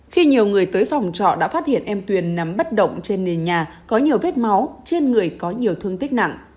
khi nhiều người tới phòng trọ đã phát hiện em tuyền nằm bất động trên nền nhà có nhiều vết máu trên người có nhiều thương tích nặng